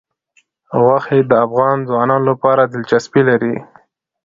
غوښې د افغان ځوانانو لپاره دلچسپي لري.